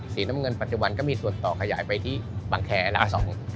สีน้ำเงินปัจจุบันก็มีส่วนต่อขยายไปที่บังแคร์แล้ว